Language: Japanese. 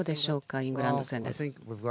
イングランド戦です。